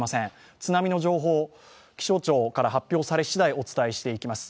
津波の情報、気象庁から発表されしだい、お伝えしていきます。